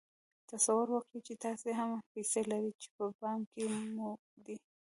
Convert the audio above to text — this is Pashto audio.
تصور وکړئ چې تاسې هغه پيسې لرئ چې په پام کې مو دي.